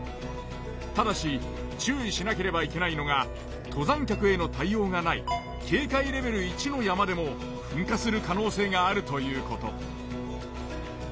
ただし注意しなければいけないのが登山客への対応がない警戒レベル１の山でも噴火する可能性があるということ。